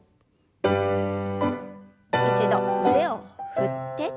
一度腕を振って。